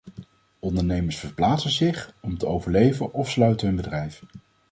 Ondernemers verplaatsen zich om te overleven of sluiten hun bedrijf.